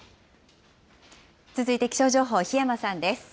続いて気象情報、檜山さんです。